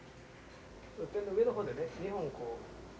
点の上の方でね２本こう。